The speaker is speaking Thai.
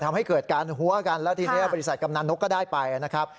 ทำให้เกิดการหัวกันแล้วทีนี้บริษัทกำนันนกก็ได้ไปนะครับ